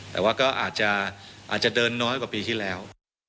แต่ก็อาจจะสะเกิดเดินน้อยกว่าปีที่แล้ว